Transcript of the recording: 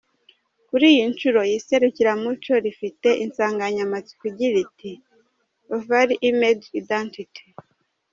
Kuri iyi nshuro iri serukiramuco rifite insanganyamatsiko igira iti "Value image identity".